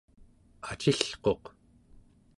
acilquq